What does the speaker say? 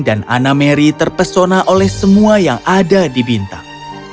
dan anna mary terpesona oleh semua yang ada di bintang